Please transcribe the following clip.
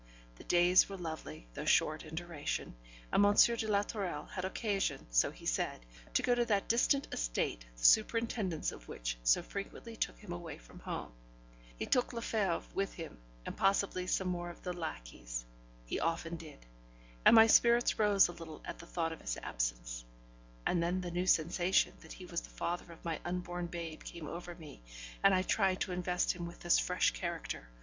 The days were lovely, though short in duration, and M. de la Tourelle had occasion, so he said, to go to that distant estate the superintendence of which so frequently took him away from home. He took Lefebvre with him, and possibly some more of the lacqueys; he often did. And my spirits rose a little at the thought of his absence; and then the new sensation that he was the father of my unborn babe came over me, and I tried to invest him with this fresh character.